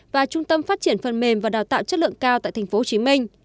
và trung tâm phát triển phần mềm và đào tạo chất lượng cao tại tp hcm